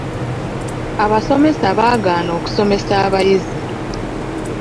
Abasomesa baagaana okusomesa abayizi.